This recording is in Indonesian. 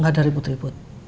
gak ada ribut ribut